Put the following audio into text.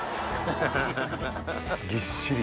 ぎっしり。